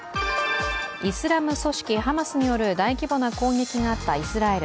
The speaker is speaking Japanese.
イスラム組織ハマスによる大規模な攻撃があったイスラエル。